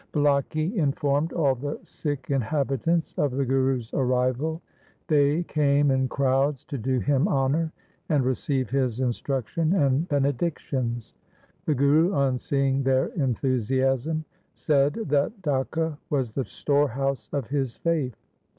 Bulaki informed all the Sikh inhabitants of the Guru's arrival. They came in crowds to do him honour, and receive his instruction and bene dictions. The Guru on seeing their enthusiasm, said that Dhaka was the storehouse of his faith.